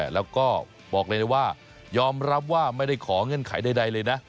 แล้วก็บอกเลยนะว่ายอมรับว่าไม่ได้ขอเงื่อนไขใดเลยนะ